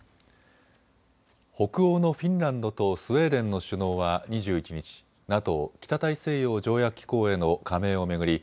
北欧のフィンランドとスウェーデンの首脳は２１日、ＮＡＴＯ・北大西洋条約機構への加盟を巡り